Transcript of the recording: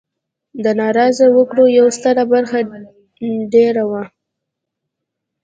د ناراضه وګړو یوه ستره برخه دېره وه.